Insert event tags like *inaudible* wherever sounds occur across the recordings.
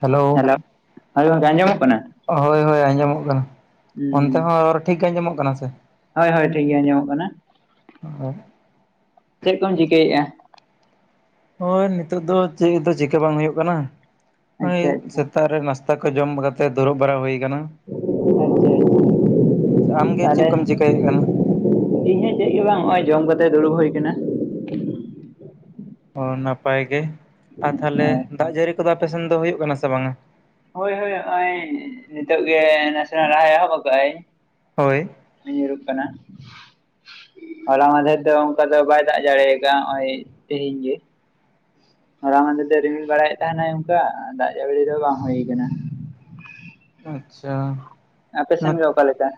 Hello hello, ᱦᱳᱭ ᱜᱚᱝᱠᱮ ᱟᱸᱡᱚᱢᱚᱜ ᱠᱟᱱᱟ? ᱦᱳᱭ ᱦᱳᱭ ᱟᱸᱡᱚᱢᱚᱜ ᱠᱟᱱᱟ, ᱚᱱᱛᱮ ᱦᱩᱸ ᱦᱚᱸ ᱨᱚᱲ ᱴᱷᱤᱠ ᱜᱮ ᱟᱸᱡᱚᱢᱚᱜ ᱠᱟᱱᱟ ᱥᱮ? ᱦᱳᱭ ᱦᱳᱭ ᱴᱷᱤᱠ ᱜᱮ ᱟᱸᱡᱚᱢᱚᱜ ᱠᱟᱱᱟ᱾ *inaudible* ᱪᱮᱫ ᱠᱚᱢ ᱪᱤᱠᱟᱹᱭᱮᱫᱼᱟ? ᱳᱭ ᱱᱤᱛᱳᱜ ᱫᱚ ᱪᱮᱫ ᱫᱚ ᱪᱤᱠᱟᱹ ᱵᱟᱝ ᱦᱩᱭᱩᱜ ᱠᱟᱱᱟ, ᱱᱚᱜ-ᱚᱭ ᱟᱪᱪᱷᱟ ᱟᱪᱪᱷᱟ ᱥᱮ ᱛᱟᱜ ᱨᱮ ᱱᱟᱥᱛᱟ ᱠᱚ ᱡᱚᱢ ᱠᱟᱛᱮ ᱫᱩᱨᱩᱵ ᱵᱟᱨᱟ ᱦᱩᱭ ᱟᱠᱟᱱᱟ᱾ ᱟᱪᱪᱷᱟ ᱟᱪᱪᱷᱟ, ᱟᱢᱜᱮ ᱛᱟᱦᱚᱞᱮ ᱪᱮᱫ ᱠᱚᱢ ᱪᱤᱠᱟᱹᱭᱮᱫ ᱠᱟᱱᱟ ᱤᱧ ᱦᱚᱸ ᱪᱮᱫ ᱜᱮ ᱵᱟᱝ ᱱᱚᱜᱼᱚᱭ ᱡᱚᱢ ᱠᱟᱛᱮ ᱫᱩᱲᱩᱵ ᱦᱩᱭ ᱠᱟᱱᱟ᱾ ᱚ ᱱᱟᱯᱟᱭ ᱜᱮ, ᱟᱨ ᱟᱪᱪᱷᱟ ᱛᱟᱦᱚᱞᱮ ᱦᱳᱭ ᱫᱟᱜ ᱡᱟᱹᱨᱤ ᱠᱚᱫᱚ ᱟᱯᱮ ᱥᱮᱱ ᱫᱚ ᱦᱩᱭᱩᱜ ᱠᱟᱱᱟ ᱥᱮ ᱵᱟᱝᱟ? ᱦᱳᱭ ᱦᱳᱭ ᱦᱚᱸᱜᱼᱚᱭ, ᱱᱤᱛᱚᱜ ᱜᱮ ᱱᱟᱥᱮᱱᱟᱜ ᱞᱟᱦᱟᱭ ᱮᱦᱚᱵ ᱟᱠᱟᱜ-ᱟᱭ ᱦᱳᱭ᱾ ᱧᱩᱨᱩᱜ ᱠᱟᱱᱟ᱾ ᱦᱚᱞᱟ ᱢᱟᱫᱷᱮᱨ ᱫᱚ ᱚᱝᱠᱟ ᱫᱚ ᱵᱟᱭ ᱫᱟᱜ ᱡᱟᱲᱤ ᱠᱟᱜ-ᱟ ᱦᱚᱹᱜ-ᱚᱭ, ᱛᱮᱦᱮᱧ ᱜᱮ᱾ ᱦᱚᱞᱟ ᱢᱟᱫᱷᱮᱨ ᱫᱚ ᱨᱤᱢᱤᱞ ᱵᱟᱲᱟᱭᱮᱫ ᱛᱟᱦᱮᱸᱱᱟᱭ ᱚᱝᱠᱟ ᱫᱟᱜ ᱡᱟᱹᱲᱤ ᱫᱚ ᱵᱟᱝ ᱦᱩᱭ ᱠᱟᱱᱟ᱾ ᱟᱪᱪᱷᱟ᱾ ᱟᱯᱮ ᱥᱮᱱ ᱜᱮ ᱚᱠᱟ ᱞᱮᱠᱟ?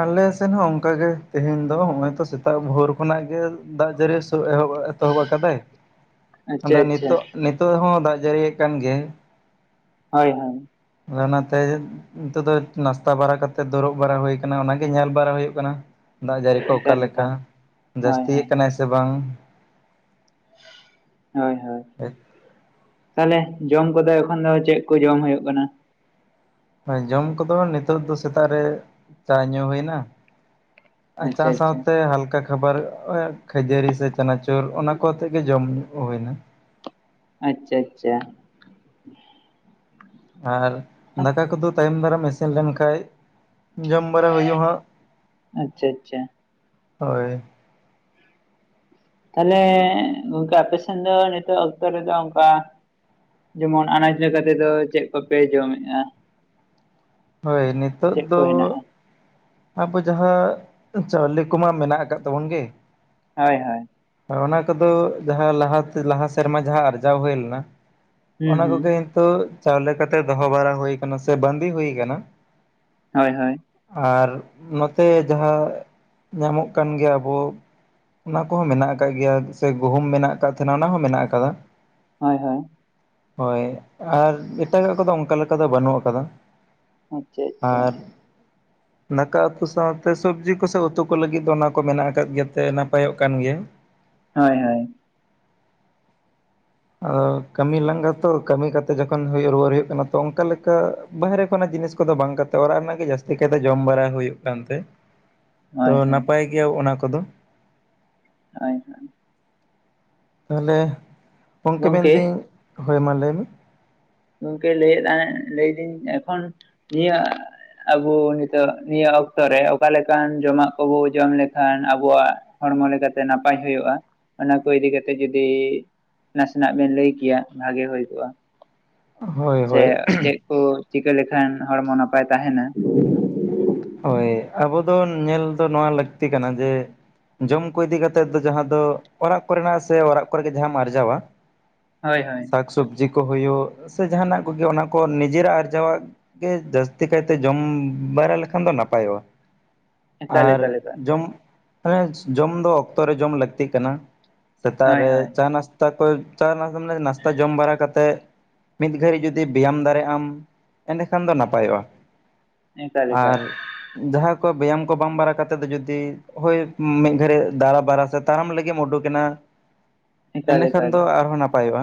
ᱟᱞᱮ ᱥᱮᱱ ᱦᱚᱸ ᱚᱝᱠᱟ ᱜᱮ, ᱛᱮᱦᱮᱧ ᱫᱚ ᱦᱚᱸᱜ-ᱚᱭ ᱛᱚ ᱥᱮᱛᱟᱜ ᱵᱷᱳᱨ ᱠᱷᱚᱱᱟᱜ ᱜᱮ ᱫᱟᱜ ᱡᱟᱹᱨᱤ ᱥᱩᱨᱩ ᱮᱦᱚᱵ ᱮᱛᱚᱦᱚᱵ ᱟᱠᱟᱫᱟᱭ, ᱟᱪᱪᱷᱟ ᱟᱫᱚ ᱟᱪᱪᱷᱟ ᱱᱤᱛᱚᱜ ᱱᱤᱛᱚᱜ ᱦᱚᱸ ᱫᱟᱜ ᱡᱟᱹᱲᱤᱭᱮᱫ ᱠᱟᱱ ᱜᱮᱭᱟᱭ᱾ ᱦᱳᱭ ᱦᱳᱭ᱾ ᱟᱫᱚ ᱚᱱᱟ ᱛᱮ ᱱᱤᱛᱚᱜ ᱫᱚ ᱱᱟᱥᱛᱟ ᱵᱟᱲᱟ ᱠᱟᱛᱮᱫ ᱫᱩᱲᱩᱵ ᱵᱟᱲᱟ ᱦᱩᱭ ᱠᱟᱱᱟ ᱚᱱᱟᱜᱮ ᱧᱮᱞ ᱵᱟᱲᱟ ᱦᱩᱭᱩᱜ ᱠᱟᱱᱟ᱾ ᱫᱟᱜ ᱡᱟᱹᱲᱤ ᱠᱚ ᱚᱠᱟ ᱮᱠᱟᱞ ᱞᱮᱠᱟ, ᱮᱠᱟᱞ ᱦᱳᱭ ᱡᱟᱹᱥᱛᱤᱭᱮᱫ ᱦᱳᱭ ᱠᱟᱱᱟᱭ ᱥᱮ ᱵᱟᱝ᱾ ᱦᱳᱭ ᱦᱳᱭ᱾ ᱛᱟᱦᱚᱞᱮ ᱡᱚᱢ ᱠᱚᱫᱚ ᱮᱠᱷᱚᱱ ᱫᱚ ᱪᱮᱫ ᱠᱚ ᱡᱚᱢ ᱦᱩᱭᱩᱜ ᱠᱟᱱᱟ? ᱦᱳᱭ ᱡᱚᱢ ᱠᱚᱫᱚ ᱱᱤᱛᱚᱜ ᱫᱚ ᱥᱮᱛᱟᱜ ᱨᱮ, ᱪᱟ ᱧᱩ ᱦᱩᱭ ᱮᱱᱟ, ᱟᱨ ᱪᱟ ᱟᱪᱪᱷᱟ ᱟᱪᱪᱷᱟ ᱥᱟᱶᱛᱮ ᱦᱟᱞᱠᱟ ᱠᱷᱟᱵᱟᱨ, ᱠᱷᱟᱹᱡᱟᱹᱨᱤ ᱥᱮ ᱪᱟᱱᱟᱪᱚᱨ ᱚᱱᱟ ᱠᱚ ᱟᱛᱮᱜ ᱜᱮ ᱡᱚᱢ ᱧᱩ ᱦᱩᱭ ᱮᱱᱟ᱾ ᱟᱪᱪᱷᱟ ᱟᱪᱪᱷᱟ᱾ ᱟᱨ ᱫᱟᱠᱟ ᱠᱚᱫᱚ ᱛᱟᱭᱚᱢ ᱫᱟᱨᱟᱢ ᱤᱥᱤᱱ ᱞᱮᱱᱠᱷᱟᱡ ᱡᱚᱢ ᱵᱟᱲᱟ ᱦᱩᱭᱩᱜ ᱦᱟᱸᱜ, ᱟᱪᱪᱷᱟ ᱟᱪᱪᱷᱟ ᱦᱳᱭ᱾ ᱛᱟᱞᱦᱮ ᱜᱚᱝᱠᱮ ᱟᱯᱮ ᱥᱮᱱ ᱫᱚ ᱱᱤᱛᱚᱜ ᱚᱠᱛᱚ ᱨᱮᱫᱚ ᱚᱱᱠᱟ ᱡᱮᱢᱚᱱ ᱟᱱᱟᱡ ᱞᱮᱠᱟ ᱛᱮᱫᱚ ᱪᱮᱫ ᱠᱚᱯᱮ ᱡᱚᱢᱮᱫᱼᱟ? ᱦᱳᱭ ᱱᱤᱛᱚᱜ ᱠᱚ ᱫᱚ ᱦᱮᱱᱟᱜᱼᱟ? ᱟᱵᱚ ᱡᱟᱦᱟᱸ ᱪᱟᱣᱞᱮ ᱠᱚᱢᱟ ᱢᱮᱱᱟᱜ ᱟᱠᱟᱫ ᱛᱟᱵᱚᱱ ᱜᱮ᱾ ᱦᱳᱭ ᱦᱳᱭ᱾ ᱦᱮᱸ ᱚᱱᱟ ᱠᱚᱫᱚ ᱡᱟᱦᱟᱸ ᱞᱟᱦᱟ ᱛᱮ ᱞᱟᱦᱟ ᱥᱮᱨᱢᱟ ᱡᱟᱦᱟᱸ ᱟᱨᱡᱟᱣ ᱦᱩᱭ ᱞᱮᱱᱟ, ᱦᱩᱸ ᱚᱱᱟ ᱦᱩᱸ ᱠᱚᱜᱮ ᱦᱤᱛᱳᱜ ᱪᱟᱣᱞᱮ ᱠᱟᱛᱮ ᱫᱚᱦᱚ ᱵᱟᱲᱟ ᱦᱩᱭ ᱠᱟᱱᱟ ᱥᱮ ᱵᱟᱸᱫᱤ ᱦᱩᱭ ᱠᱟᱱᱟ, ᱦᱳᱭ ᱦᱳᱭ᱾ ᱟᱨ ᱱᱚᱛᱮ ᱡᱟᱦᱟᱸ ᱧᱟᱢᱚᱜ ᱠᱟᱱ ᱜᱮᱭᱟ ᱟᱵᱚ ᱚᱱᱟ ᱠᱚᱦᱚᱸ ᱢᱮᱱᱟᱜ ᱟᱠᱟᱫ ᱜᱮᱭᱟ, ᱥᱮ ᱜᱩᱦᱩᱢ ᱢᱮᱱᱟᱜ ᱟᱠᱟᱫ ᱛᱟᱦᱮᱸᱱᱟ ᱚᱱᱟ ᱦᱚᱸ ᱢᱮᱱᱟᱜ ᱟᱠᱟᱫᱟ᱾ ᱦᱳᱭ ᱦᱳᱭ᱾ ᱦᱳᱭ ᱟᱨ ᱮᱴᱟᱜᱟᱜ ᱠᱚᱫᱚ ᱚᱱᱠᱟ ᱞᱮᱠᱟ ᱫᱚ ᱵᱟᱹᱱᱩᱜ ᱟᱠᱟᱫᱟ᱾ *inaudible* ᱟᱨ *inaudible* ᱫᱟᱠᱟ ᱩᱛᱩ ᱥᱟᱶᱛᱮ ᱥᱚᱵᱽᱡᱤ ᱠᱚ ᱥᱮ ᱩᱛᱩ ᱠᱚ ᱞᱟᱹᱜᱤᱫ ᱫᱚ ᱚᱱᱟ ᱠᱚ ᱢᱮᱱᱟᱜ ᱟᱠᱟᱫ ᱜᱮᱛᱮ ᱱᱟᱯᱟᱭᱚᱜ ᱠᱟᱱ ᱜᱮᱭᱟ᱾ ᱦᱳᱭ ᱦᱳᱭ᱾ ᱚ ᱠᱟᱹᱢᱤ ᱞᱟᱸᱜᱟ ᱛᱚ ᱠᱟᱹᱢᱤ ᱠᱟᱛᱮ ᱡᱚᱠᱷᱚᱱ ᱦᱩᱭᱩᱜ ᱨᱩᱣᱟᱹᱲ ᱦᱩᱭᱩᱜ ᱠᱟᱱᱟ ᱛᱚ ᱚᱱᱠᱟ ᱞᱮᱠᱟ ᱵᱟᱦᱨᱮᱼᱼ ᱠᱷᱚᱱᱟᱜ ᱡᱤᱱᱤᱥ ᱠᱚᱫᱚ ᱵᱟᱝ ᱠᱟᱛᱮ ᱚᱲᱟᱜ ᱨᱮᱱᱟᱜ ᱜᱮ ᱡᱟᱹᱥᱛᱤ ᱠᱟᱭᱛᱮ ᱡᱚᱢ ᱵᱟᱲᱟ ᱦᱩᱭᱩᱜ ᱠᱟᱱ ᱛᱮ ᱛᱚ ᱦᱳᱭ ᱦᱳᱭ ᱱᱟᱯᱟᱭ ᱜᱮᱭᱟ ᱚᱱᱟ ᱠᱚᱫᱚ᱾ ᱦᱳᱭ ᱦᱳᱭ᱾ ᱛᱟᱦᱚᱞᱮ, ᱜᱚᱝᱠᱮ ᱢᱮᱱ ᱫᱟᱹᱧ, ᱦᱳᱭ ᱢᱟ ᱞᱟᱹᱭ ᱢᱮ᱾ ᱜᱚᱝᱠᱮ ᱞᱟᱹᱭᱮᱫ ᱛᱟᱦᱮᱸ ᱞᱟᱹᱭ ᱫᱟᱹᱧ ᱮᱠᱷᱚᱱ ᱱᱤᱭᱟᱹᱼᱼ ᱟᱵᱚ ᱱᱤᱛᱚᱜ ᱱᱤᱭᱟᱹ ᱚᱠᱛᱚ ᱨᱮ ᱚᱠᱟ ᱞᱮᱠᱟᱱ ᱡᱚᱢᱟᱜ ᱠᱚᱵᱚ ᱡᱚᱢ ᱞᱮᱠᱷᱟᱱ ᱟᱵᱚᱣᱟᱜ ᱦᱚᱲᱢᱚ ᱞᱮᱠᱟ ᱛᱮ ᱱᱟᱯᱟᱭ ᱦᱩᱭᱩᱜᱼᱟ, ᱚᱱᱟ ᱠᱚ ᱤᱫᱤ ᱠᱟᱛᱮ ᱡᱩᱫᱤ ᱱᱟᱥᱮᱱᱟᱜ ᱵᱤᱱ ᱞᱟᱹᱭ ᱠᱮᱭᱟ ᱵᱷᱟᱜᱮ ᱦᱩᱭ ᱠᱚᱜᱼᱟ᱾ ᱦᱳᱭ ᱥᱮ ᱦᱳᱭ ᱪᱮᱫ ᱠᱚ ᱪᱤᱠᱟᱹ ᱞᱮᱠᱷᱟᱱ ᱦᱚᱲᱢᱚ ᱱᱟᱯᱟᱭ ᱛᱟᱦᱮᱸᱱᱟ? ᱦᱳᱭ ᱟᱵᱚ ᱫᱚ ᱧᱮᱞ ᱫᱚ ᱱᱚᱣᱟ ᱞᱟᱹᱠᱛᱤ ᱠᱟᱱᱟ ᱡᱮ ᱡᱚᱢ ᱠᱚ ᱤᱫᱤ ᱠᱟᱛᱮᱫ ᱫᱚ ᱡᱟᱦᱟᱸ ᱫᱚ, ᱚᱲᱟᱜ ᱠᱚᱨᱮᱱᱟᱜ ᱥᱮ ᱚᱲᱟᱜ ᱠᱚᱨᱮ ᱜᱮ ᱡᱟᱦᱟᱸᱢ ᱟᱨᱡᱟᱣᱟ᱾ ᱦᱳᱭ ᱦᱳᱭ᱾ ᱥᱟᱠ ᱥᱚᱵᱽᱡᱤ ᱠᱚ ᱦᱩᱭᱩᱜ, ᱥᱮ ᱡᱟᱦᱟᱱᱟᱜ ᱠᱚᱜᱮ ᱚᱱᱟ ᱠᱚ ᱱᱤᱡᱮᱨᱟᱜ ᱟᱨᱡᱟᱣᱟᱜ ᱜᱮ ᱡᱟᱹᱥᱛᱤ ᱠᱟᱭᱛᱮ ᱡᱚᱢ ᱵᱟᱲᱟ ᱞᱮᱠᱷᱟ ᱠᱷᱟᱱ ᱫᱚ ᱱᱟᱯᱟᱭᱚᱜᱼᱟ, ᱮᱠᱟᱞ ᱮᱠᱟᱞ ᱟᱨ ᱮᱠᱟᱞ ᱡᱚᱢ ᱢᱟᱱᱮ ᱡᱚᱢ ᱫᱚ ᱚᱠᱛᱚ ᱨᱮ ᱡᱚᱢ ᱞᱟᱹᱠᱛᱤ ᱠᱟᱱᱟ, ᱥᱮᱛᱟᱜ ᱦᱳᱭ ᱦᱳᱭ ᱨᱮ ᱪᱟ ᱱᱟᱥᱼᱼ ᱛᱟ ᱠᱚ ᱪᱟ ᱱᱟ ᱢᱟᱱᱮ ᱱᱟᱥᱛᱟ ᱡᱚᱢ ᱵᱟᱲᱟ ᱠᱟᱛᱮᱫ ᱢᱤᱫ ᱜᱷᱟᱹᱲᱤᱡ ᱡᱩᱫᱤ ᱵᱮᱭᱟᱢ ᱫᱟᱲᱮᱜ ᱟᱢ ᱮᱸᱰᱮᱠᱷᱟᱱ ᱫᱚ ᱱᱟᱯᱟᱭᱚᱜᱼᱟ᱾ ᱮᱠᱟᱞ ᱮᱠᱟᱞ ᱟᱨ ᱡᱟᱦᱟᱸ ᱠᱚ ᱵᱮᱭᱟᱢ ᱠᱚ ᱵᱟᱝ ᱵᱟᱲᱟ ᱠᱟᱛᱮᱫ ᱫᱚ ᱡᱩᱫᱤ ᱦᱳᱭ ᱢᱤᱫ ᱜᱷᱟᱹᱲᱤ ᱫᱟᱨᱟ ᱵᱟᱲᱟ ᱥᱮ ᱛᱟᱲᱟᱢ ᱞᱟᱹᱜᱤᱫ ᱮᱢ ᱩᱰᱩᱠ ᱮᱱᱟ, ᱮᱠᱟᱞ ᱮᱸᱰᱮᱠᱷᱟᱱ ᱮᱠᱟᱞ ᱫᱚ ᱟᱨᱦᱚᱸ ᱱᱟᱯᱟᱭᱚᱜᱼᱟ᱾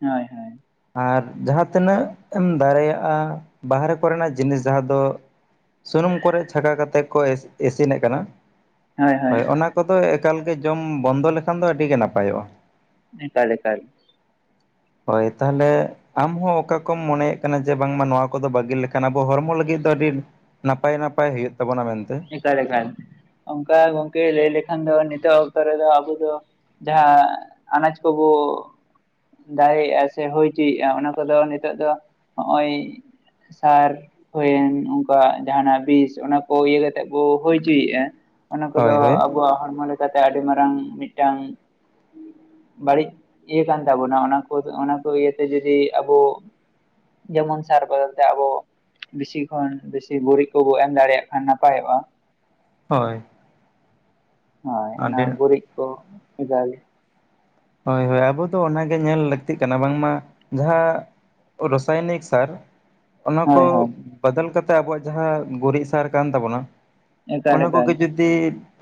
ᱦᱳᱭ ᱦᱳᱭ᱾ ᱟᱨ ᱡᱟᱦᱟᱸ ᱛᱤᱱᱟᱹᱜ ᱮᱢ ᱫᱟᱲᱮᱭᱟᱜᱼᱟ ᱵᱟᱦᱨᱮ ᱠᱚᱨᱮᱱᱟᱜ ᱡᱤᱱᱤᱥ ᱡᱟᱦᱟᱸ ᱫᱚ ᱥᱩᱱᱩᱢ ᱠᱚᱨᱮᱫ ᱪᱷᱟᱠᱟ ᱠᱟᱛᱮ ᱠᱚ ᱤᱥᱤᱱᱮᱫ ᱠᱟᱱᱟ, ᱦᱳᱭ ᱚᱱᱟ ᱠᱚᱫᱚ ᱮᱠᱟᱞ ᱜᱮ ᱡᱚᱢ ᱵᱚᱱᱫᱚ ᱞᱮᱠᱷᱟᱱ ᱫᱚ ᱟᱹᱰᱤ ᱜᱮ ᱱᱟᱯᱟᱭᱚᱜᱼᱟ᱾ ᱮᱠᱟᱞ ᱮᱠᱟᱞ᱾ ᱦᱳᱭ ᱛᱟᱦᱚᱞᱮ ᱟᱢᱦᱚᱸ ᱚᱠᱟ ᱠᱚᱢ ᱢᱚᱱᱮᱭᱮᱫ ᱠᱟᱱᱟ ᱡᱮ ᱵᱟᱝᱢᱟ ᱱᱚᱣᱟ ᱠᱚᱫᱚ ᱵᱟᱹᱜᱤ ᱞᱮᱠᱷᱟᱱ ᱟᱵᱚ ᱦᱚᱲᱢᱚ ᱞᱟᱹᱜᱤᱫ ᱫᱚ ᱟᱹᱰᱤ, ᱱᱟᱯᱟᱭ ᱱᱟᱯᱟᱭ ᱦᱩᱭᱩᱜ ᱛᱟᱵᱚᱱᱟ ᱢᱮᱱᱛᱮ᱾ ᱪᱤᱠᱟᱭ ᱞᱮᱠᱷᱟᱱ ᱚᱱᱠᱟ ᱜᱚᱝᱠᱮ ᱞᱟᱹᱭ ᱞᱮᱠᱷᱟᱱ ᱫᱚ ᱱᱤᱛᱚᱜ ᱚᱠᱛᱚ ᱨᱮᱫᱚ ᱟᱵᱚ ᱫᱚ, ᱡᱟᱦᱟᱸ ᱟᱱᱟᱡᱽ ᱠᱚᱵᱚ ᱫᱟᱜᱮᱫ ᱟᱭ ᱥᱮ ᱦᱩᱭ ᱦᱚᱪᱚᱭᱮᱜᱼᱟ ᱚᱱᱟ ᱠᱚᱫᱚ ᱱᱤᱛᱚᱜ ᱫᱚ ᱱᱚᱜᱼᱚᱭ ᱥᱟᱨ ᱦᱩᱭᱮᱱ ᱩᱱᱠᱩᱣᱟᱜ ᱡᱟᱦᱱᱟᱜ ᱵᱤᱥ ᱚᱱᱟᱠᱚ ᱤᱭᱟᱹ ᱠᱟᱛᱮ ᱥᱮᱫ ᱵᱚ ᱦᱩᱭ ᱦᱚᱪᱚᱭᱮᱫᱼᱟ ᱚᱱᱟ ᱠᱚᱫᱚ ᱦᱳᱭ ᱦᱳᱭ ᱟᱵᱚᱣᱟᱜ ᱦᱚᱲᱢᱚ ᱞᱮᱠᱟᱛᱮ ᱟᱹᱰᱤ ᱢᱟᱨᱟᱝ ᱢᱤᱫᱴᱟᱝ, ᱵᱟᱹᱲᱤᱡ ᱤᱭᱟᱹ ᱠᱟᱱ ᱛᱟᱵᱚᱱᱟ ᱚᱱᱟ ᱠᱚ ᱚᱱᱟ ᱠᱚ ᱤᱭᱟᱹ ᱛᱮ ᱡᱩᱫᱤ ᱟᱵᱚ, ᱡᱮᱢᱚᱱ ᱥᱟᱨ ᱵᱚᱫᱚᱞ ᱛᱮ ᱟᱵᱚ ᱵᱤᱥᱤ ᱠᱷᱚᱱ ᱵᱤᱥᱤ ᱜᱩᱨᱤᱡ ᱠᱚᱵᱚ ᱮᱢ ᱫᱟᱲᱮᱭᱟᱜ ᱠᱷᱟᱱ ᱱᱟᱯᱟᱭᱚᱜᱼᱟ᱾ ᱦᱮᱸ᱾ ᱦᱮᱸ ᱚᱱᱟ ᱜᱩᱨᱤᱡ ᱠᱚ ᱡᱟ ᱜᱮ, ᱦᱳᱭ ᱦᱳᱭ ᱟᱵᱚ ᱫᱚ ᱚᱱᱟᱜᱮ ᱧᱮᱞ ᱞᱟᱹᱠᱛᱤᱜ ᱠᱟᱱᱟ ᱵᱟᱝᱢᱟ ᱡᱟᱦᱟᱸ ᱨᱚᱥᱟᱭᱱᱤᱠ ᱥᱟᱨ, ᱚᱱᱟ ᱠᱚ ᱦᱳᱭ ᱦᱳᱭ ᱵᱟᱫᱟᱞ ᱠᱟᱛᱮ ᱟᱵᱚᱣᱟᱜ ᱡᱟᱦᱟᱸ ᱜᱩᱨᱤᱡ ᱥᱟᱨ ᱠᱟᱱ ᱛᱟᱵᱚᱱᱟ, ᱮᱠᱟᱞ ᱚᱱᱟ ᱮᱠᱟᱞ ᱠᱚᱜᱮ ᱡᱩ ᱫᱤ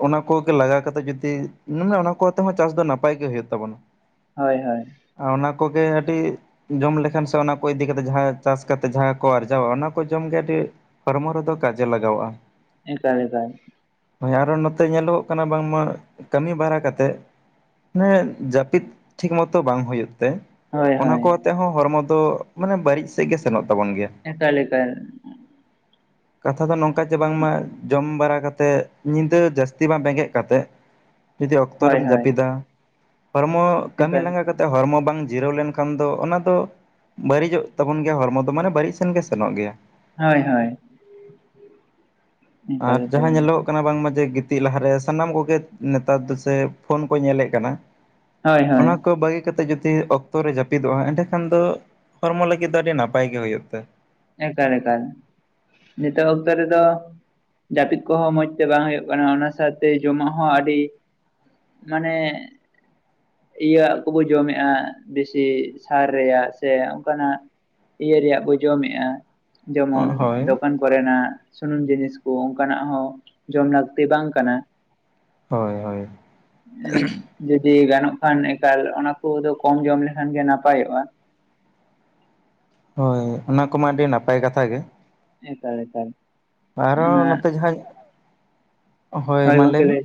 ᱚᱱᱟ ᱠᱚᱜᱮ ᱞᱟᱜᱟᱣ ᱠᱟᱛᱮᱫ ᱡᱩᱫᱤ ᱢᱟᱱᱮ ᱚᱱᱟ ᱠᱚ ᱟᱛᱮᱫ ᱦᱚᱸ ᱪᱟᱥ ᱫᱚ ᱱᱟᱯᱟᱭ ᱜᱮ ᱦᱩᱭᱩᱜ ᱛᱟᱵᱚᱱᱟ᱾ ᱦᱚᱭ ᱦᱚᱭ᱾ ᱚᱱᱟ ᱠᱚᱜᱮ ᱠᱟᱹᱴᱤᱡ ᱡᱚᱢ ᱞᱮᱠᱷᱟᱱ ᱥᱮ ᱚᱱᱟ ᱠᱚ ᱤᱫᱤ ᱠᱟᱛᱮᱫ ᱡᱟᱦᱟᱸ ᱪᱟᱥ ᱠᱟᱛᱮ ᱡᱟᱦᱟᱸ ᱠᱚ ᱟᱨᱡᱟᱣᱟ ᱚᱱᱟ ᱠᱚ ᱡᱚᱢ ᱜᱮ ᱟᱹᱰᱤ ᱦᱚᱲᱢᱚ ᱨᱮᱫᱚ ᱠᱟᱡᱮ ᱞᱟᱜᱟᱣᱼᱟ᱾ ᱮᱱᱠᱟ ᱞᱮᱠᱟᱱ, ᱟᱨᱚ ᱱᱚᱛᱮ ᱧᱮᱞᱚᱜᱚᱜ ᱠᱟᱱᱟ ᱵᱟᱝᱢᱟ ᱠᱟᱹᱢᱤ ᱵᱟᱲᱟ ᱠᱟᱛᱮᱜ ᱦᱮᱸ, ᱡᱟᱹᱯᱤᱫ ᱴᱷᱤᱠ ᱢᱚᱛᱚ ᱵᱟᱝ ᱦᱩᱭᱩᱜ ᱛᱮ ᱦᱳᱭ ᱚᱱᱟ ᱦᱳᱭ ᱠᱚ ᱛᱮᱦᱚᱸ ᱦᱚᱲᱢᱚ ᱫᱚ ᱢᱟᱱᱮ ᱵᱟᱹᱲᱤᱡ ᱥᱮᱫ ᱜᱮ ᱥᱮᱱᱚᱜ ᱛᱚᱵᱚᱱ ᱜᱮᱭᱟ᱾ ᱮᱠᱟᱞ ᱮᱠᱟᱞ᱾ ᱠᱟᱛᱷᱟ ᱫᱚ ᱱᱚᱝᱠᱟ ᱡᱮ ᱵᱟᱝᱢᱟ ᱡᱚᱢ ᱵᱟᱲᱟ ᱠᱟᱛᱮᱫ ᱧᱤᱫᱟᱹ ᱡᱟᱹᱥᱛᱤ ᱵᱟᱝ ᱵᱮᱸᱜᱮᱫ ᱠᱟᱛᱮᱫ, *unintelligible* ᱡᱩᱫᱤ ᱚᱠᱛᱚ ᱦᱳᱭ ᱨᱮᱢ ᱦᱳᱭ ᱡᱟᱹᱯᱤᱫᱟ ᱦᱚᱲᱢᱚ ᱠᱟᱹᱢᱤ ᱮᱠᱟᱞ ᱞᱟᱸᱜᱟ ᱮᱠᱟᱞ ᱠᱟᱛᱮ ᱦᱚᱲᱢᱚ ᱵᱟᱝ ᱡᱤᱨᱟᱹᱣ ᱞᱮᱱᱠᱷᱟᱱ ᱫᱚ ᱚᱱᱟ ᱫᱚ ᱵᱟᱹᱲᱤᱡᱚᱜ ᱛᱟᱵᱚᱱ ᱜᱮᱭᱟ ᱦᱚᱲᱢᱚ ᱫᱚ ᱢᱟᱱᱮ ᱵᱟᱹᱲᱤᱡ ᱥᱮᱱ ᱜᱮ ᱥᱮᱱᱚᱜ ᱜᱮᱭᱟ᱾ ᱦᱳᱭ ᱦᱳᱭ *inaudible* ᱮᱠᱟᱞ ᱟᱨ ᱮᱠᱟᱞ ᱡᱟᱦᱟᱸ ᱜᱚᱢᱠᱮ ᱧᱮᱞᱚᱜ ᱠᱟᱱᱟ ᱵᱟᱝᱢᱟ ᱡᱮ, ᱛᱤᱜ ᱞᱟᱦᱟᱨᱮ ᱥᱟᱱᱟᱢ ᱠᱚᱜᱮ ᱱᱮᱛᱟᱨ ᱫᱚ ᱥᱮ ᱯᱷᱳᱱ ᱠᱚ ᱧᱮᱞᱮᱫ ᱠᱟᱱᱟ᱾ ᱦᱳᱭ ᱦᱳᱭ ᱚᱱᱟ ᱠᱚ ᱵᱟᱹᱜᱤ ᱠᱟᱛᱮᱜ ᱡᱩᱫᱤ ᱚᱠ ᱚᱠᱛᱚ ᱨᱮ ᱡᱟᱹᱯᱤᱫᱚᱜᱼᱟ ᱮᱸᱰᱮ ᱠᱷᱟᱱ ᱫᱚ ᱦᱚᱲᱢᱚ ᱞᱟᱹᱜᱤᱫ ᱫᱚ ᱟᱹᱰᱤ ᱱᱟᱯᱟᱭ ᱜᱮ ᱦᱩᱭᱩᱜ ᱛᱟᱭᱟ᱾ ᱮᱠᱟᱞ ᱮᱠᱟᱞ ᱱᱤᱛᱚᱜ ᱚᱠᱛᱚ ᱨᱮᱫᱚ, ᱡᱟᱹᱯᱤᱫ ᱠᱚᱦᱚᱸ ᱢᱚᱡᱽ ᱛᱮ ᱵᱟᱝ ᱦᱩᱭᱩᱜ ᱠᱟᱱᱟ ᱚᱱᱟ ᱥᱟᱶᱛᱮ ᱡᱚᱢᱟᱜ ᱦᱚᱸ ᱟᱹᱰᱤ, ᱢᱟᱱᱮ, ᱤᱭᱟᱹ ᱟᱜ ᱠᱚᱵᱚ ᱡᱚᱢᱮᱜᱼᱟ ᱵᱮᱥᱤ ᱥᱟᱨ ᱨᱮᱭᱟᱜ ᱥᱮ ᱚᱱᱠᱟᱱᱟᱜ, ᱤᱭᱟᱹ ᱨᱮᱭᱟᱜ ᱵᱚ ᱡᱚᱢᱮᱜᱼᱟ ᱡᱮᱢᱚᱱ ᱦᱳᱭ ᱫᱚᱠᱟᱱ ᱠᱚᱨᱮᱱᱟᱜ ᱥᱩᱱᱩᱢ ᱡᱤᱱᱤᱥ ᱠᱚ ᱚᱱᱠᱟᱱᱟᱜ ᱦᱚᱸ ᱡᱚᱢ ᱞᱟᱹᱠᱛᱤ ᱵᱟᱝ ᱠᱟᱱᱟ᱾ *inaudible* ᱦᱳᱭ ᱦᱳᱭ *unintelligible* ᱡᱩᱫᱤ ᱜᱟᱱᱚᱜ ᱠᱷᱟᱱ ᱮᱠᱟᱞ ᱚᱱᱟ ᱠᱚᱫᱚ ᱠᱚᱢ ᱡᱚᱢ ᱞᱮᱠᱷᱟᱱᱜᱮ ᱱᱟᱯᱟᱭᱚᱜᱼᱟ᱾ ᱦᱮᱸ ᱚᱱᱟ ᱠᱚᱢᱟ ᱟᱹᱰᱤ ᱱᱟᱯᱟᱭ ᱠᱟᱛᱷᱟ ᱜᱮ, ᱮᱠᱟᱞ ᱮᱠᱟᱞ᱾ ᱟᱨᱚ ᱚᱱᱟ ᱱᱚᱛᱮ ᱡᱟᱦᱟᱸ ᱦᱳᱭ ᱢᱟ ᱞᱟᱹᱭ ᱢᱮ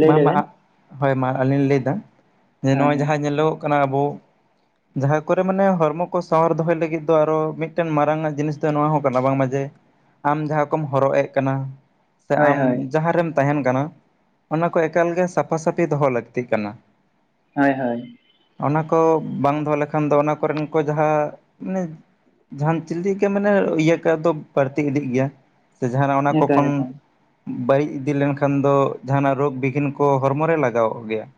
ᱞᱟᱹᱭ ᱢᱟ ᱢᱟ, ᱞᱮᱵᱮᱱ ᱦᱳᱭ ᱢᱟ, ᱟᱹᱞᱤᱧ ᱞᱤᱧ ᱞᱟᱹᱭ ᱮᱫᱟ, ᱡᱮ ᱦᱳᱭ ᱱᱚᱜᱼᱚᱭ, ᱦᱳᱭ ᱡᱟᱦᱟᱸ ᱧᱮᱞᱚᱜᱚᱜ ᱠᱟᱱᱟ, ᱟᱵᱚ ᱡᱟᱦᱟᱸ ᱠᱚᱨᱮ ᱢᱟᱱᱮ, ᱦᱚᱲᱢᱚ ᱠᱚ ᱥᱟᱶᱟᱨ ᱫᱚᱦᱚᱭ ᱞᱟᱹᱜᱤᱫ ᱫᱚ, ᱟᱨᱚ, ᱢᱤᱫᱴᱮᱱ ᱢᱟᱨᱟᱝ ᱟᱜ, ᱡᱤᱱᱤᱥ ᱫᱚ, ᱱᱚᱣᱟ ᱦᱚᱸ ᱠᱟᱱᱟ ᱵᱟᱝᱢᱟ, ᱡᱮ, ᱟᱢ ᱡᱟᱦᱟᱸ ᱠᱚᱢ, ᱦᱚᱨᱚᱜ ᱮᱫ, ᱠᱟᱱᱟ ᱥᱮ, ᱦᱳᱭ ᱟᱢ ᱦᱳᱭ ᱡᱟᱦᱟᱸᱨᱮᱢ, ᱛᱟᱦᱮᱱ ᱠᱟᱱᱟ, ᱚᱱᱟ ᱠᱚ, ᱮᱠᱟᱞ ᱜᱮ, ᱥᱟᱯᱷᱟ ᱥᱟᱹᱯᱷᱤ, ᱫᱚᱦᱚ, ᱞᱟᱹᱠᱛᱤᱜ ᱠᱟᱱᱟ ᱾ ᱦᱳᱭ ᱦᱳᱭ ᱾ ᱚᱱᱟ ᱠᱚ, ᱵᱟᱝ ᱫᱚᱦᱚ ᱞᱮᱠᱷᱟᱱ ᱫᱚ, ᱚᱱᱟ ᱠᱚᱨᱮᱱ ᱠᱚ, ᱡᱟᱦᱟᱸ, ᱢᱟᱱᱮ ᱡᱟᱦᱟᱱ ᱪᱤᱞᱤᱠᱟ, ᱢᱟᱱᱮ ᱤᱭᱟᱹ ᱠᱟ, ᱫᱚ, ᱵᱟᱹᱲᱛᱤ ᱤᱫᱤᱜ ᱜᱮᱭᱟ ᱾ ᱥᱮ ᱡᱟᱦᱟᱱᱟᱜ, ᱚᱱᱟ ᱠᱚ ᱮᱠᱟᱞ ᱠᱷᱚᱱ, ᱮᱠᱟᱞ ᱵᱟᱹᱲᱤᱡ ᱤᱫᱤ ᱞᱮᱱᱠᱷᱟᱱ ᱫᱚ ᱡᱟᱦᱟᱱᱟᱜ, ᱨᱳᱜᱽ ᱵᱤᱜᱤᱱ ᱠᱚ, ᱦᱚᱲᱢᱚ ᱨᱮ, ᱞᱟᱜᱟᱣᱚᱜ ᱜᱮᱭᱟ ᱾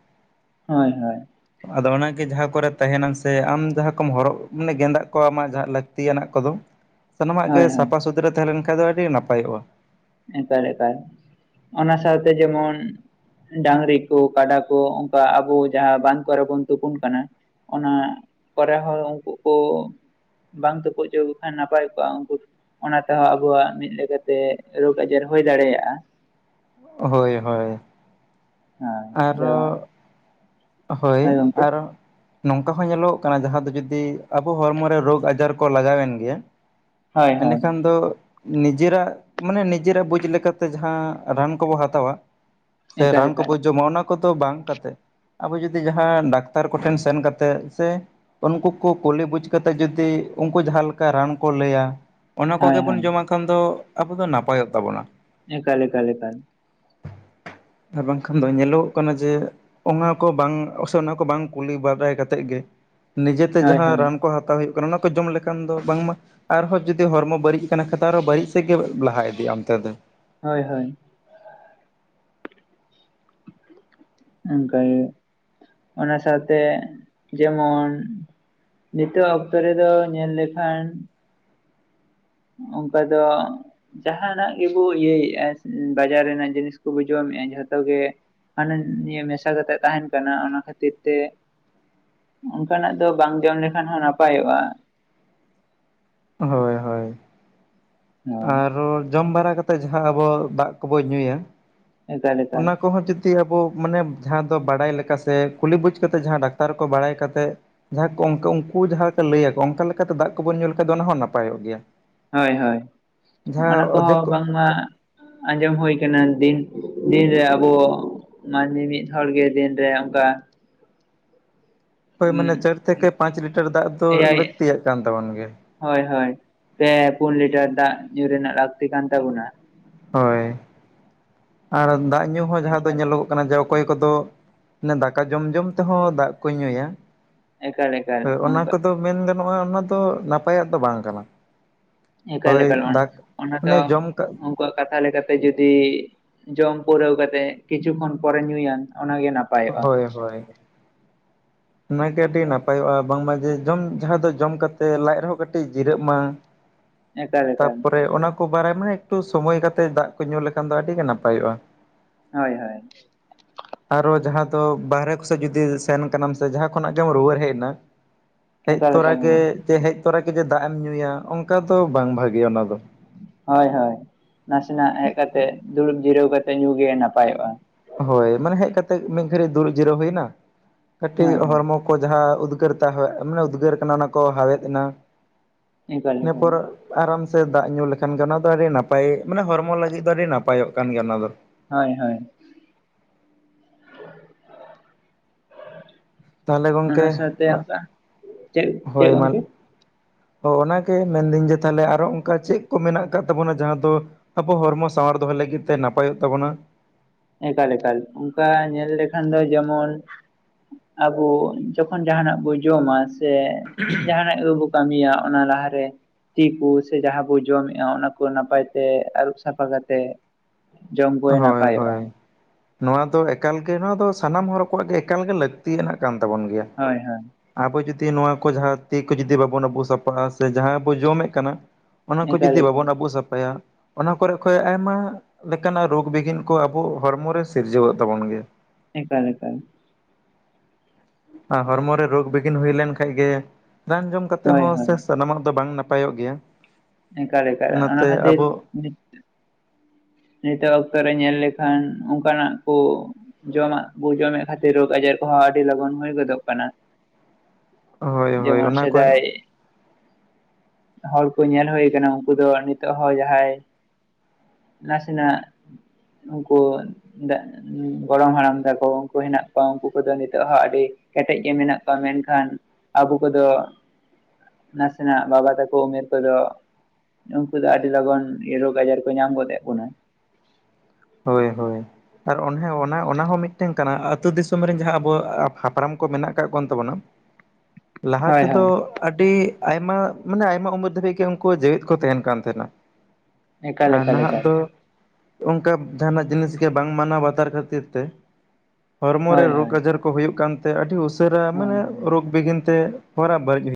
ᱦᱳᱭ ᱦᱳᱭ ᱾ ᱟᱫᱚ ᱚᱱᱟᱜᱮ, ᱡᱟᱦᱟᱸ ᱠᱚᱨᱮ, ᱛᱟᱦᱮᱱᱟᱢ ᱥᱮ ᱟᱢ, ᱡᱟᱦᱟᱸ ᱠᱚᱢ ᱦᱚᱨᱚᱜ, ᱢᱟᱱᱮ ᱜᱮᱸᱫᱟᱜ ᱠᱚ, ᱟᱢᱟᱜ ᱡᱟᱦᱟᱸ ᱞᱟᱠᱛᱤ ᱛᱤᱭᱟᱜ ᱠᱚᱫᱚ, ᱥᱟᱱᱟᱢᱟᱜ ᱜᱮ, ᱦᱳᱭ ᱦᱳᱭ ᱥᱟᱯᱷᱟ ᱥᱩᱛᱨᱟᱹ ᱛᱟᱦᱮᱸ, ᱞᱮᱱ ᱠᱷᱟᱱ ᱫᱚ, ᱟᱹᱰᱤ ᱱᱟᱯᱟᱭᱚᱜᱼᱟ ᱾ ᱮᱠᱟᱲ ᱮᱠᱟᱲ, ᱚᱱᱟ ᱥᱟᱶᱛᱮ ᱡᱮᱢᱚᱱ ᱰᱟᱝᱨᱤ ᱠᱚ, ᱠᱟᱰᱟ ᱠᱚ, ᱚᱱᱠᱟ ᱟᱵᱚ, ᱡᱟᱦᱟᱸ ᱵᱟᱸᱫᱷ ᱠᱚ ᱨᱮ, ᱵᱚᱱ ᱛᱩᱯᱩᱱ ᱠᱟᱱᱟ ᱾ ᱚᱱᱟ ᱠᱚᱨᱮ ᱦᱚᱸ, ᱩᱱᱠᱩ ᱠᱚ ᱵᱟᱝ ᱛᱩᱯᱩᱜ ᱚᱪᱚ, ᱟᱠᱚ ᱠᱷᱟᱱ, ᱱᱟᱯᱟᱭ ᱠᱚᱜᱼᱟ ᱩᱱᱠᱩ, ᱚᱱᱟ ᱛᱮᱦᱚᱸ, ᱟᱵᱚᱣᱟᱜ ᱢᱤᱫ ᱞᱮᱠᱟᱛᱮ ᱨᱳᱜᱽ ᱟᱡᱟᱨ, ᱦᱩᱭ ᱫᱟᱲᱮᱭᱟᱜᱼᱟ ᱾ ᱦᱳᱭ, ᱦᱳᱭ ᱾ ᱦᱳᱭ ᱟᱫᱚ ᱟᱨᱚ, ᱦᱳᱭ! ᱟᱨᱚ, ᱱᱚᱝᱠᱟ ᱦᱚᱸ, ᱧᱮᱞᱚᱜ ᱠᱟᱱᱟ, ᱡᱟᱦᱟᱸ ᱫᱚ ᱡᱩᱫᱤ, ᱟᱵᱚ ᱦᱚᱲᱢᱚ ᱨᱮ, ᱨᱳᱜᱽ ᱟᱡᱟᱨ ᱠᱚ, ᱞᱟᱜᱟᱣ ᱮᱱ ᱜᱮᱭᱟ ᱦᱳᱭ ᱮᱸᱰᱮ ᱦᱳᱭ ᱠᱷᱟᱱ ᱫᱚ, ᱱᱤᱡᱮᱨᱟᱜ, ᱢᱟᱱᱮ, ᱱᱤᱡᱮᱨᱟᱜ ᱵᱩᱡᱽ ᱞᱮᱠᱟᱛᱮ, ᱡᱟᱦᱟᱸ ᱨᱟᱱ ᱠᱚᱵᱚ, ᱦᱟᱛᱟᱣᱟ ᱥᱮ, ᱮᱠᱟᱞ ᱨᱟᱱ ᱮᱠᱟᱞ ᱠᱚᱵᱚᱱ, ᱡᱚᱢᱟ, ᱚᱱᱟ ᱠᱚᱫᱚ, ᱵᱟᱝ ᱠᱟᱛᱮᱜ ᱟᱵᱚ ᱡᱩᱫᱤ, ᱡᱟᱦᱟᱸ ᱰᱟᱠᱛᱟᱨ ᱠᱚ ᱴᱷᱮᱱ, ᱥᱮᱱ ᱠᱟᱛᱮ, ᱥᱮ ᱩᱱᱠᱩ ᱠᱚ, ᱠᱩᱞᱤ ᱵᱩᱡᱽ ᱠᱟᱛᱮᱜ, ᱡᱩᱫᱤ ᱩᱱᱠᱩ, ᱡᱟᱦᱟᱸ ᱞᱮᱠᱟ, ᱨᱟᱱ ᱠᱚ, ᱞᱟᱹᱭᱟ ᱚᱱᱟ ᱦᱳᱭ ᱠᱚᱜᱮ, ᱦᱳᱭ ᱵᱚᱱ ᱡᱚᱢᱟᱜ ᱠᱷᱟᱱ ᱫᱚ, ᱟᱵᱚ ᱫᱚ, ᱱᱟᱯᱟᱭᱚᱜ ᱛᱟᱵᱚᱱᱟ ᱾ ᱮᱠᱟᱞ, ᱮᱠᱟᱞ ᱮᱠᱟᱞ ᱾ ᱟᱨ, ᱵᱟᱝᱠᱷᱟᱱ ᱫᱚ, ᱧᱮᱞᱚᱜᱚᱜ ᱠᱟᱱᱟ, ᱡᱮ, ᱚᱱᱟ ᱠᱚ ᱵᱟᱝ, ᱚᱼ ᱥᱮ ᱚᱱᱟ ᱠᱚ, ᱵᱟᱝ ᱠᱩᱞᱤ ᱵᱟᱰᱟᱭ ᱠᱟᱛᱮᱫ ᱜᱮ, ᱱᱤᱡᱮᱛᱮ, ᱦᱳᱭ ᱡᱟᱦᱟᱸ ᱦᱳᱭ ᱨᱟᱱ ᱠᱚ, ᱦᱟᱛᱟᱣ ᱦᱩᱭᱩᱜ ᱠᱟᱱᱟ, ᱚᱱᱟ ᱠᱚ, ᱡᱚᱢ ᱞᱮᱠᱷᱟᱱ ᱫᱚ, ᱵᱟᱝ ᱢᱟ, ᱟᱨᱦᱚᱸ ᱡᱩᱫᱤ, ᱦᱚᱨᱢᱚ ᱵᱟᱹᱲᱤᱡ ᱟᱠᱟᱱᱟ, ᱠᱷᱟᱛᱟᱨ ᱟᱨᱦᱚᱸ ᱵᱟᱹᱲᱤᱡ ᱥᱮᱫ ᱜᱮ, ᱞᱟᱦᱟ ᱤᱫᱤᱜᱼᱟ, ᱚᱱᱛᱮ ᱫᱚ ᱾ ᱦᱳᱭ ᱦᱳᱭ ᱾ ᱚᱱᱠᱟᱜᱮ, ᱚᱱᱟ ᱥᱟᱶᱛᱮ, ᱡᱮᱢᱚᱱ ᱱᱤᱛᱚᱜ ᱟᱜ, ᱚᱠᱛᱚ ᱨᱮᱫᱚ, ᱧᱮᱞ ᱞᱮᱠᱷᱟᱱ, ᱚᱝᱠᱟ ᱫᱚ ᱡᱟᱦᱟᱸᱱᱟᱜ ᱜᱮᱵᱚ, ᱤᱭᱟᱹᱭᱮᱫᱼᱟ, ᱵᱟᱡᱟᱨ ᱨᱮᱱᱟᱜ, ᱡᱤᱱᱤᱥ ᱠᱚᱵᱚ, ᱡᱚᱢᱮᱫᱼᱟ, ᱡᱷᱚᱛᱚ ᱜᱮ, ᱦᱟᱱᱟ ᱱᱤᱭᱟᱹ, ᱢᱮᱥᱟ ᱠᱟᱛᱮᱫ, ᱛᱟᱦᱮᱱ ᱠᱟᱱᱟ, ᱚᱱᱟ ᱠᱷᱟᱹᱛᱤᱨ ᱛᱮ ᱚᱱᱠᱟᱱᱟᱜ ᱫᱚ, ᱵᱟᱝ ᱡᱚᱢ ᱞᱮᱠᱷᱟᱱ ᱦᱚᱸ, ᱱᱟᱯᱟᱭᱚᱜᱼᱟ ᱾ ᱦᱳᱭ ᱦᱳᱭ, ᱦᱳᱭ ᱟᱨᱦᱚᱸ, ᱡᱚᱢ ᱵᱟᱲᱟ ᱠᱟᱛᱮ ᱯᱮ ᱡᱟᱦᱟᱸ, ᱟᱵᱚ ᱫᱟᱜ ᱠᱚᱵᱚ, ᱧᱩᱭᱟ, ᱮᱠᱟᱞ ᱮᱠᱟᱞ ᱚᱱᱟ ᱠᱚᱦᱚᱸ, ᱪᱮ ᱛᱤ, ᱟᱵᱚ ᱢᱟᱱᱮ, ᱡᱟᱦᱟᱸ ᱫᱚ ᱵᱟᱲᱟᱭ ᱞᱮᱠᱟ ᱥᱮ, ᱠᱩᱞᱤ ᱵᱩᱡᱽ ᱠᱟᱛᱮᱫ, ᱡᱟᱦᱟᱸ ᱰᱟᱠᱛᱟᱨ ᱠᱚ, ᱵᱟᱲᱟᱭ ᱠᱟᱛᱮ ᱡᱟᱦᱟᱸ ᱠᱚ, ᱚᱱᱠᱟ ᱩᱱᱠᱩ ᱡᱟᱦᱟᱸ ᱞᱮᱠᱟ, ᱞᱟᱹᱭ ᱟᱠᱚ, ᱚᱱᱠᱟ ᱞᱮᱠᱟᱛᱮ, ᱫᱟᱜ ᱠᱚᱵᱚᱱ, ᱧᱩ ᱞᱮᱠᱷᱟᱱᱡ ᱫᱚ, ᱚᱱᱟ ᱦᱚᱸ, ᱱᱟᱯᱟᱭᱚᱜ ᱜᱮᱭᱟ ᱾ ᱦᱳᱭ ᱦᱳᱭ, ᱚᱱᱟ ᱠᱚᱦᱚᱸ, ᱚᱫᱷᱮᱠ ᱵᱟᱝ ᱢᱟ ᱟᱸᱡᱚᱢ ᱦᱩᱭ ᱟᱠᱟᱱᱟ, ᱫᱤᱱ, ᱫᱤᱱᱨᱮ ᱟᱵᱚ ᱢᱟ, ᱱᱢᱤᱢᱤᱫ ᱦᱚᱲ ᱜᱮ, ᱫᱤᱱᱨᱮ ᱚᱱᱠᱟ ᱦᱳᱭ ᱢᱟᱱᱮ ᱪᱟᱨ ᱛᱷᱮᱠᱮ ᱯᱟᱸᱪ ᱞᱤᱴᱟᱨ ᱫᱟᱜ ᱫᱚ ᱮᱭᱟᱭ ᱞᱟᱹᱠᱛᱤᱭᱟᱜ ᱠᱟᱱ ᱛᱟᱵᱚᱱ ᱜᱮᱭᱟ ᱾ ᱦᱳᱭ ᱦᱳᱭ ᱯᱮ ᱯᱩᱱ ᱞᱤᱴᱟᱨ ᱫᱟᱜ ᱧᱩ ᱨᱮᱱᱟᱜ ᱞᱟᱹᱠᱛᱤ ᱠᱟᱱ ᱛᱟᱵᱚᱱᱟ ᱾ ᱦᱳᱭ ᱟᱨ ᱫᱟᱜ ᱧᱩ ᱦᱚᱸ ᱡᱟᱦᱟ ᱫᱚ ᱮᱠᱟᱞ ᱧᱮᱞᱚᱜ ᱠᱟᱱᱟ ᱡᱮ ᱚᱠᱚᱭ ᱠᱚᱫᱚ ᱱᱮ ᱫᱟᱠᱟ ᱡᱚᱢ ᱡᱚᱢ ᱛᱮᱦᱚᱸ ᱫᱟᱜ ᱠᱚ ᱧᱩᱭᱟ ᱮᱠᱟᱞ ᱮᱠᱟᱞ ᱦᱳᱭ ᱚᱱᱟ ᱚᱱᱠᱟ ᱠᱚᱫᱚ ᱢᱮᱱ ᱜᱟᱱᱚᱜᱼᱟ ᱚᱱᱟ ᱫᱚ ᱱᱟᱯᱟᱭᱟᱜ ᱫᱚ ᱵᱟᱝ ᱠᱟᱱᱟ᱾ ᱮᱠᱟᱞ ᱦᱳᱭ ᱮᱠᱟᱞ ᱚᱱᱟ ᱫᱟᱜ ᱚᱱᱟ ᱚᱱᱮ ᱫᱚ ᱡᱚᱢ ᱠᱟᱜ ᱩᱱᱠᱩᱣᱟᱜ ᱠᱟᱛᱷᱟ ᱞᱮᱠᱟᱛᱮ ᱡᱩᱫᱤ ᱡᱚᱢ ᱯᱩᱨᱟᱹᱣ ᱠᱟᱛᱮ ᱠᱤᱪᱷᱩ ᱠᱷᱚᱱ ᱯᱚᱨᱮ ᱧᱩᱭᱟᱢ ᱚᱱᱟᱜᱮ ᱱᱟ ᱦᱳᱭ ᱦᱳᱭ ᱾ ᱚᱱᱟᱜᱮ ᱟᱹᱰᱤ ᱱᱟᱯᱟᱭᱚᱜᱼᱟ ᱵᱟᱝᱢᱟ ᱡᱮ ᱡᱚᱢ ᱡᱟᱦᱟᱸ ᱫᱚ ᱡᱚᱢ ᱠᱟᱛᱮ ᱞᱟᱡ ᱨᱮᱦᱚᱸ ᱠᱟᱹᱴ ᱠᱟᱹᱴᱤᱡ ᱡᱤᱨᱟᱹᱜ ᱢᱟ ᱮᱠᱟᱞ ᱮᱠᱟᱞ ᱛᱟᱯᱚᱨᱮ ᱚᱱᱟ ᱠᱚ ᱵᱟᱲᱟᱭ ᱢᱟ ᱮᱠᱴᱩ ᱥᱚᱢᱚᱭ ᱠᱟᱛᱮᱫ ᱫᱟᱜ ᱠᱚ ᱧᱩ ᱞᱮᱠᱷᱟᱱ ᱫᱚ ᱟᱹᱰᱤ ᱜᱮ ᱱᱟᱯᱟᱭᱚᱜᱼᱟ᱾ ᱦᱳᱭ ᱦᱳᱭ, ᱟᱨᱦᱚ ᱡᱟᱦᱟᱸ ᱫᱚ ᱵᱟᱦᱮᱨᱮ ᱠᱚᱥᱮᱫ ᱡᱩᱫᱤ ᱥᱮᱱ ᱠᱟᱱᱟᱢ ᱥᱮ ᱡᱟᱦᱟᱸ ᱠᱷᱚᱱᱟᱜ ᱜᱮᱢ ᱨᱩᱣᱟᱹᱲ ᱦᱮᱡ ᱮᱱᱟ ᱦᱮᱡ ᱮᱠᱟᱞ ᱛᱚᱨᱟ ᱮᱠᱟᱞ ᱜᱮ ᱜᱚᱝᱠᱮ ᱡᱮ ᱦᱮᱡ ᱛᱚᱨᱟ ᱜᱮ ᱡᱮ ᱫᱟᱜ ᱮᱢ ᱧᱩᱭᱟ ᱚᱱᱠᱟ ᱫᱚ ᱵᱟᱝ ᱵᱷᱟᱜᱮᱭᱟ ᱚᱱᱟ ᱫᱚ ᱾ ᱦᱳᱭ ᱦᱳᱭ ᱱᱟᱥᱮᱱᱟᱜ ᱦᱮᱡ ᱠᱟᱛᱮ ᱫᱩᱲᱩᱵ ᱡᱤᱨᱟᱹᱣ ᱠᱟᱛᱮᱜ ᱧᱩ ᱜᱮ ᱱᱟᱯᱟᱭᱚᱜᱼᱟ ᱾ ᱦᱳᱭ ᱢᱟᱱᱮ ᱦᱮᱡ ᱠᱟᱛᱮᱜ ᱢᱤᱫ ᱜᱷᱟᱹᱲᱤᱡ ᱫᱩᱲᱩᱵ ᱡᱤᱨᱟᱹ ᱦᱩᱭᱱᱟ ᱠᱟᱹᱴᱤᱡ ᱦᱳᱭ ᱦᱳᱭ ᱦᱚᱲᱢᱚ ᱠᱚ ᱡᱟᱦᱟᱸ ᱩᱫᱽᱜᱟᱹᱨ ᱫᱟᱜ ᱦᱟᱭᱮᱫ ᱢᱟᱱᱮ ᱩᱫᱽᱜᱟᱹᱨ ᱠᱟᱱᱟ ᱚᱱᱟ ᱠᱚ ᱦᱟᱣᱮᱫ ᱮᱱᱟ ᱾ ᱮᱠᱟᱞ ᱤᱱᱟᱹ ᱮᱠᱟᱞ ᱯᱚᱨ ᱟᱨᱟᱢ ᱥᱮ ᱫᱟᱜ ᱧᱩ ᱞᱮᱠᱷᱟᱱ ᱜᱮ ᱚᱱᱟ ᱫᱚ ᱟᱹᱰᱤ ᱱᱟᱯᱟᱭ ᱢᱟᱱᱮ ᱦᱚᱲᱢᱚ ᱞᱟᱹᱜᱤᱫ ᱫᱚ ᱟᱹᱰᱤ ᱱᱟᱯᱟᱭᱚᱜ ᱠᱟᱱ ᱜᱮᱭᱟ ᱚᱱᱟ ᱫᱚ ᱾ ᱦᱳᱭ ᱦᱳᱭ ᱾ ᱛᱟᱦᱚᱞᱮ ᱜᱚᱢᱠᱮ ᱚᱱᱟ ᱥᱟᱶᱛᱮ ᱚᱱᱠᱟ ᱪᱮᱫ ᱦᱳᱭ ᱪᱮᱫ ᱢᱟ ᱜᱚᱝᱠᱮ ᱚ ᱚᱱᱟᱜᱮ ᱢᱮᱱᱫᱟᱹᱧ ᱡᱮ ᱛᱟᱦᱚᱞᱮ ᱟᱨᱦᱚ ᱚᱱᱠᱟ ᱪᱮᱫ ᱠᱚ ᱢᱮᱱᱟᱜ ᱟᱠᱟᱫ ᱛᱟᱵᱚᱱᱟ ᱡᱟᱦᱟᱸ ᱫᱚ ᱟᱵᱚ ᱦᱚᱲᱢᱚ ᱥᱟᱶᱟᱨ ᱫᱚᱦᱚᱭ ᱞᱟᱹᱜᱤᱫ ᱛᱮ ᱱᱟᱯᱟᱭᱚᱜ ᱛᱟᱵᱚᱱᱟ ᱾ ᱮᱠᱟᱞ ᱮᱠᱟᱞ ᱚᱱᱠᱟ ᱧᱮᱞ ᱞᱮᱠᱷᱟᱱ ᱫᱚ ᱡᱮᱢᱚᱱ ᱟᱵᱚ ᱡᱚᱠᱷᱚᱱ ᱡᱟᱦᱟᱱᱟᱜ ᱵᱚᱱ ᱡᱚᱢᱟ ᱥᱮ ᱡᱟᱦᱟᱱᱟᱜ ᱟᱵᱚᱵᱚ ᱠᱟᱹᱢᱤᱭᱟ ᱚᱱᱟ ᱞᱟᱦᱟᱨᱮ ᱛᱤ ᱠᱚ ᱥᱮ ᱡᱟᱦᱟᱸ ᱵᱚ ᱡᱚᱢᱮᱫᱼᱟ ᱚᱱᱟ ᱠᱚ ᱱᱟᱯᱟᱭ ᱛᱮ ᱟᱹᱨᱩᱵ ᱥᱟᱯᱷᱟ ᱠᱟᱛᱮ᱾ ᱦᱳᱭ ᱦᱳᱭ। ᱱᱚᱣᱟ ᱫᱚ ᱮᱠᱟᱞ ᱜᱮ ᱱᱚᱣᱟ ᱫᱚ ᱥᱟᱱᱟᱢ ᱦᱚᱲ ᱠᱚᱣᱟᱜ ᱜᱮ ᱮᱠᱟᱞ ᱜᱮ ᱞᱟᱹᱠᱛᱤᱭᱟᱱᱟᱜ ᱠᱟᱱ ᱛᱟᱵᱚᱱ ᱜᱮᱭᱟ। ᱦᱳᱭ ᱦᱳᱭ᱾ ᱟᱵᱚ ᱡᱩᱫᱤ ᱱᱚᱣᱟ ᱠᱚ ᱡᱟᱦᱟᱸ ᱛᱤ ᱠᱚ ᱡᱩᱫᱤ ᱵᱟᱵᱚᱱ ᱟᱵᱩᱜ ᱥᱟᱯᱟᱜ-ᱟ, ᱥᱮ ᱡᱟᱦᱟᱸ ᱵᱚ ᱡᱚᱢᱮᱜ ᱠᱟᱱᱟ᱾ ᱚᱱᱟ ᱠᱚ ᱮᱠᱟᱞ ᱡᱩᱫᱤ ᱮᱠᱟᱞ ᱵᱟᱵᱚᱱ ᱟᱹᱵᱩ ᱥᱟᱯᱷᱟᱭᱟ, ᱚᱱᱟ ᱠᱚᱨᱮ ᱠᱷᱚᱡ ᱟᱭᱢᱟ ᱠᱟᱱᱟᱜ ᱨᱳᱜᱽ ᱵᱤᱦᱤᱱ ᱠᱚ ᱟᱵᱚ ᱦᱚᱲᱢᱚ ᱨᱮ ᱥᱤᱨᱡᱟᱹᱣᱚᱜ ᱛᱟᱵᱚᱱ ᱜᱮᱭᱟ᱾ ᱮᱠᱟᱞ ᱮᱠᱟᱞ, ᱟ ᱦᱚᱲᱢᱚ ᱨᱮ ᱨᱳᱜᱽ ᱵᱤᱜᱷᱤᱱ ᱦᱩᱭ ᱞᱮᱱᱠᱷᱟᱡ ᱜᱮ ᱨᱟᱱ ᱡᱚᱢ ᱠᱟᱛᱮᱜ ᱦᱳᱭ ᱦᱚᱸ ᱦᱳᱭ ᱥᱮ ᱥᱟᱱᱟᱢᱟᱜ ᱫᱚ ᱵᱟᱝ ᱱᱟᱯᱟᱭᱚᱜ ᱜᱮᱭᱟ ᱾ ᱮᱠᱟᱞ ᱮᱠᱟᱞ ᱚᱱᱟ ᱠᱷᱟᱹᱛᱤᱨ ᱟᱵᱚ ᱱᱤᱛᱚᱜ ᱚᱠᱛᱚ ᱨᱮ ᱧᱮᱞ ᱞᱮᱠᱷᱟᱱ ᱚᱱᱠᱟᱱᱟᱜ ᱠᱚ ᱡᱚᱢᱟᱜ ᱵᱚ ᱡᱚᱢᱮᱫ ᱠᱷᱟᱹᱛᱤᱨ ᱨᱳᱜᱽ ᱟᱡᱟᱨ ᱠᱚᱦᱚᱸ ᱟᱹᱰᱤ ᱞᱚᱜᱚᱱ ᱦᱩᱭ ᱜᱚᱫᱚᱜ ᱠᱟᱱᱟ᱾ ᱦᱳᱭ ᱦᱳᱭ ᱡᱮᱢᱚᱱ ᱚᱱᱟ ᱠᱚ ᱥᱮᱫᱟᱭ, ᱦᱚᱲ ᱠᱚ ᱧᱮᱞᱼᱼ ᱛᱟᱦᱮ ᱠᱟᱱᱟ ᱩᱱᱠᱩ ᱫᱚ ᱱᱤᱛᱚᱜ ᱦᱚᱸ ᱡᱟᱦᱟᱸᱭ ᱱᱟᱥᱮᱱᱟᱜ ᱩᱱᱠᱳ᱾ *unintelligible* ᱜᱚᱲᱚᱢ ᱦᱟᱲᱟᱢ ᱛᱟᱠᱚ ᱩᱱᱠᱩ ᱦᱮᱱᱟᱜ ᱠᱚᱣᱟ, ᱩᱱᱠᱩ ᱠᱚᱫᱚ ᱱᱤᱛᱚᱜ ᱦᱚᱸ ᱟᱹᱰᱤ ᱠᱮᱴᱮᱡ ᱜᱮ ᱢᱮᱱᱟᱜ ᱠᱚᱣᱟ ᱢᱮᱱᱠᱷᱟᱱ ᱟᱵᱚ ᱠᱚᱫᱚ ᱱᱟᱥᱮᱱᱟᱜ ᱵᱟᱵᱟ ᱛᱟᱠᱚ ᱩᱢᱮᱨ ᱠᱷᱟᱡ ᱫᱚ ᱩᱝᱠᱩ ᱫᱚ ᱟᱹᱰᱤ ᱞᱚᱜᱚᱱ ᱨᱳᱜᱽ ᱟᱡᱟᱨ ᱠᱚ ᱧᱟᱢ ᱜᱚᱫᱮᱫ ᱵᱚᱱᱟ᱾ ᱦᱳᱭ ᱦᱳᱭ᱾ ᱟᱨ ᱚᱱᱮ ᱚᱱᱟ ᱚᱱᱟ ᱦᱚᱸ ᱢᱤᱫᱴᱟᱝ ᱠᱟᱱᱟ ᱟᱹᱛᱩ ᱫᱤᱥᱚᱢ ᱨᱮᱱ ᱡᱟᱦᱟᱸ ᱟᱵᱚ ᱦᱟᱯᱲᱟᱢ ᱠᱚ ᱢᱮᱱᱟᱜ ᱠᱟᱜ ᱠᱚᱱ ᱛᱟᱵᱚᱱᱟ *inaudible* ᱞᱟᱦᱟ ᱛᱮᱫᱚ ᱦᱳᱭ ᱟᱹᱰᱤ ᱟᱭᱢᱟ, ᱢᱟᱱᱮ ᱟᱭᱢᱟ ᱩᱢᱮᱨ ᱫᱷᱟᱹᱵᱤᱡ ᱜᱮ ᱩᱱᱠᱩ ᱡᱮᱣᱮᱛ ᱠᱚ ᱛᱟᱦᱮᱸᱱ ᱠᱟᱱ ᱛᱟᱦᱮᱸᱱᱟ ᱾ ᱮᱠᱟᱞ ᱮᱠᱟᱞ ᱮᱠᱟᱞ᱾ ᱠᱟ ᱡᱟᱦᱟᱱᱟᱜ ᱡᱤᱱᱤᱥ ᱜᱮ ᱵᱟᱝ ᱢᱟᱱᱟᱣ ᱵᱟᱛᱟᱨ ᱠᱷᱟᱹᱛᱤᱨ ᱛᱮ ᱦᱚᱲᱢᱚ ᱨᱮ ᱦᱳᱭ ᱨᱳᱜᱽ ᱦᱳᱭ ᱟᱡᱟᱨ ᱠᱩ ᱦᱩᱭᱩᱜ ᱠᱟᱱᱛᱮ ᱟᱹᱰᱤ ᱩᱥᱟᱹᱨᱟ ᱦᱳᱭ ᱢᱟᱱᱮ ᱦᱳᱭ ᱨᱳᱜᱽ ᱵᱤᱜᱷᱤᱱ ᱛᱮ ᱦᱚᱨᱟ ᱵᱟᱹᱲᱤᱡ ᱦᱩᱭᱩᱜ